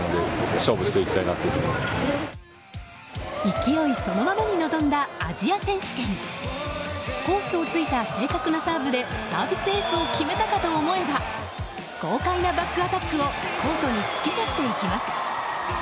勢いそのままに臨んだアジア選手権。コースをついた正確なサーブでサービスエースを決めたかと思えば豪快なバックアタックをコートに突き刺していきます。